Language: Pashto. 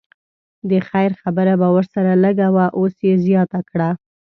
د خیر خبره به ورسره لږه وه اوس یې زیاته کړه.